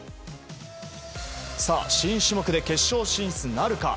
新種目で決勝進出なるか。